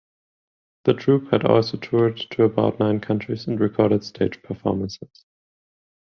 The troupe had also toured to about nine countries and recorded stage performances.